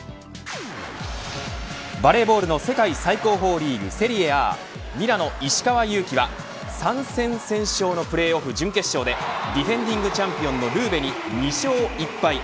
バレーボールの世界最高峰リーグセリエＡミラノ石川祐希は３戦先勝のプレーオフ準決勝でディフェンディングチャンピオンのルーベに２勝１敗。